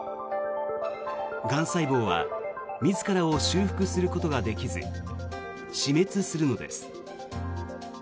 がん細胞は自らを修復することができず死滅するのです。